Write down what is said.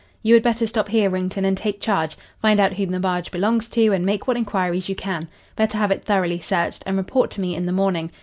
You had better stop here, Wrington, and take charge. Find out whom the barge belongs to, and make what inquiries you can. Better have it thoroughly searched, and report to me in the morning.